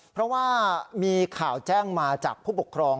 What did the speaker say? เพราะว่ามีข่าวแจ้งมาจากผู้ปกครอง